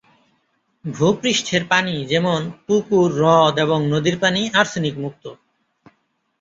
ভূপৃষ্ঠের পানি যেমন পুকুর, হ্রদ এবং নদীর পানি আর্সেনিকমুক্ত।